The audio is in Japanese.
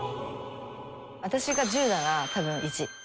私が１０なら多分１。